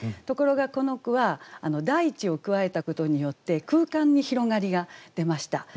ところがこの句は「大地」を加えたことによって空間に広がりが出ました。